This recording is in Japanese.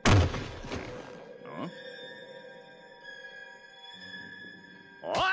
うん？おい！